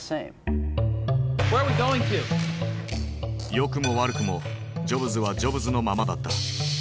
良くも悪くもジョブズはジョブズのままだった。